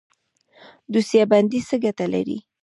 دوسیه بندي څه ګټه لري؟